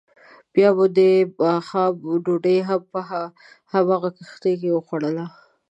بیا مو دماښام ډوډۍ هم په همغه کښتۍ کې وخوړه.